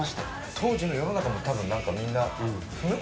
当時の世の中もたぶん何かみんなフムッ？